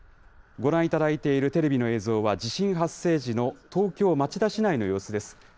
ご覧いただいているテレビの映像は、地震発生時の東京・町田市内の様子です。